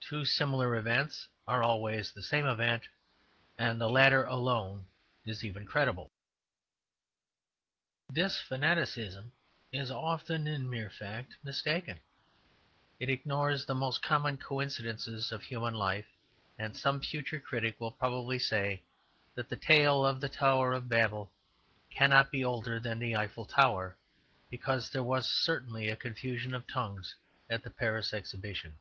Two similar events are always the same event, and the later alone is even credible. This fanaticism is often in mere fact mistaken; it ignores the most common coincidences of human life: and some future critic will probably say that the tale of the Tower of Babel cannot be older than the Eiffel Tower, because there was certainly a confusion of tongues at the Paris Exhibition.